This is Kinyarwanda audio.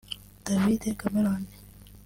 David Cameron